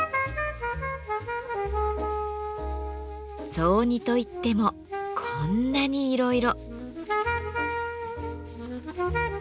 雑煮といってもこんなにいろいろ。